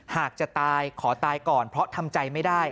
หากจะตายขอตายก่อนเพราะทำใจไม่ได้